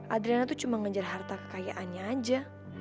adriana tuh cuma ngejar harta kekayaannya aja